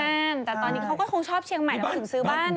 แล้วตอนนี้เขาก็คงชอบเชียงใหม่แล้วถึงซื้อบ้าน